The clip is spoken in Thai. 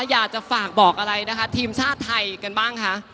อยากจะฝากบอกอะไรนะคะทีมชาติไทยกันบ้างคะ